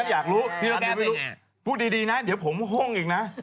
อยากรู้พูดดีนะเดี๋ยวผมห่มอีกนะ